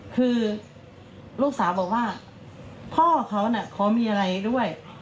คือลูกสาวบอกว่าพ่อเขาขอมีอะไรด้วย